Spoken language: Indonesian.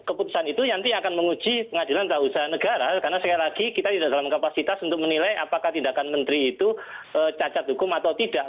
dan keputusan itu yang nanti akan menguji pengadilan tentang usaha negara karena sekali lagi kita tidak dalam kapasitas untuk menilai apakah tindakan menteri itu cacat hukum atau tidak